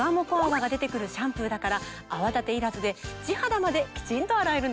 泡が出てくるシャンプーだから泡立ていらずで地肌まできちんと洗えるんですよ。